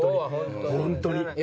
本当に。